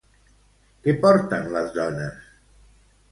Què porten les dones?